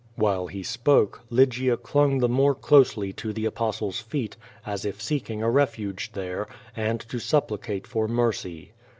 While he spoke, Lygia clung the more closely to the Apostle's feet, as if seeking a refuge there, and to supplicate for mercy.